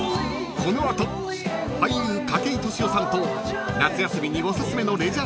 ［この後俳優筧利夫さんと夏休みにおすすめのレジャー